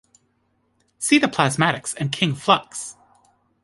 See the Plasmatics and King Flux.